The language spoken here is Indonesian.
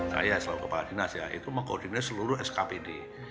nah ya selalu kepala dinas ya itu mengkoordinasi seluruh skpd